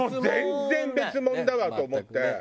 全然別もんだわと思って。